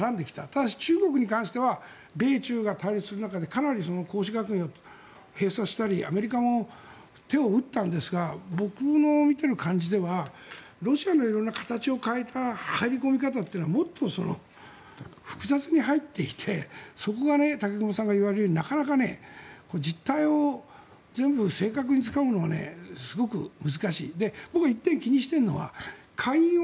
ただし中国に関しては米中が対立する中でかなりアメリカも手を打ったんですが僕の見ている感じではロシアのいろいろな形を変えた入り込み方というのはもっと複雑に入っていてそこが武隈さんが言われるようになかなか実態を全部正確につかむのはすごく難しい。